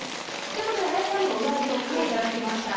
ということで林さんにも上着を着て頂きました。